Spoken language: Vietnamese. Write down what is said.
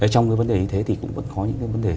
trong vấn đề như thế thì cũng vẫn có những vấn đề